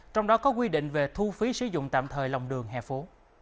trong đó có quy định về thu phí sử dụng tạm thời lòng đường hè phố